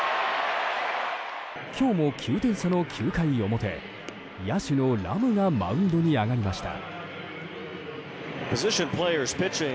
今日も９点差の９回表野手のラムがマウンドに上がりました。